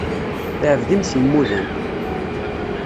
Teɛbed imsemmuden.